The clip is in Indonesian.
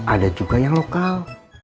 ada juga yang lokal